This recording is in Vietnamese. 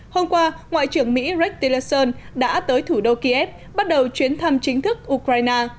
hôm qua ngoại trưởng mỹ rex tillerson đã tới thủ đô kyiv bắt đầu chuyến thăm chính thức ukraine